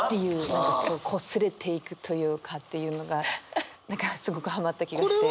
こすれていくというかというのが何かすごくハマった気がして。